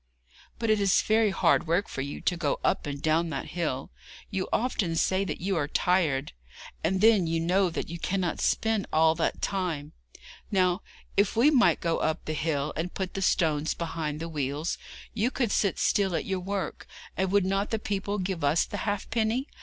'But it is very hard work for you to go up and down that hill. You often say that you are tired. And then you know that you cannot spin all that time. Now, if we might go up the hill, and put the stones behind the wheels, you could sit still at your work; and would not the people give us the halfpence?